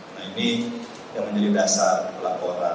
nah ini yang menjadi dasar laporan